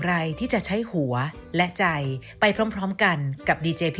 สวัสดีค่ะ